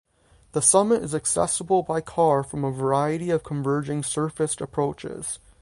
The summit is accessible by car from a variety of converging surfaced approaches.